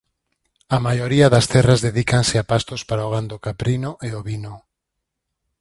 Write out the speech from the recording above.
A maioría das terras dedícanse a pastos para o gando caprino e ovino.